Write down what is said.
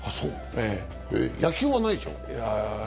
野球はないでしょ。